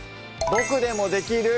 「ボクでもできる！